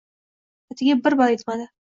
atigi bir bal yetmadi.